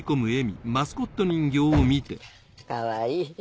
かわいい。